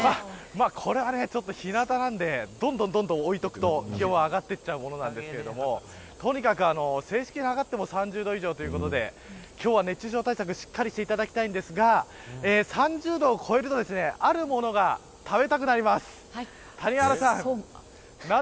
これはちょっと日なたなんでどんどん置いとくと気温は上がっていっちゃうものなんですけどとにかく正式に測っても３０度以上ということで今日は熱中症対策しっかりしていただきたいんですが３０度を超えるとあるものが食べたくなります。